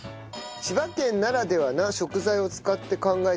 千葉県ならではな食材を使って考えてみました。